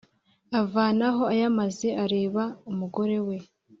avanaho ayamaze areba umugore we.